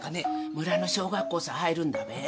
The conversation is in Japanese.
村の小学校さ入るんだべ？